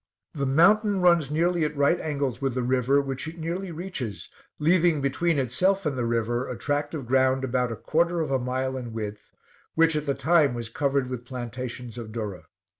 The mountain runs nearly at right angles with the river, which it nearly reaches, leaving between itself and the river a tract of ground about a quarter of a mile in width, which at the time was covered with plantations of durra.